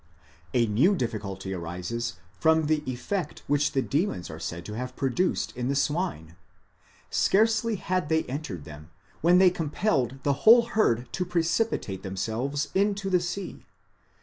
A new difficulty arises from the effect which the demons are said to have produced in the swine. Scarcely had they entered them, when they compelled the whole herd to precipitate themselves into the sea.